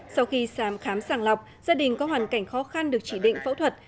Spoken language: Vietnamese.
sau khi khám sàng lọc gia đình có hoàn cảnh khó khăn được chỉ định phẫu thuật